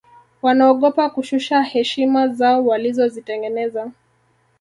wanaogopa kushusha heshima zao walizozitengeneza